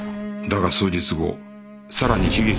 だが数日後さらに悲劇が襲った